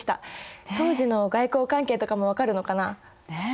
当時の外交関係とかも分かるのかな？ね。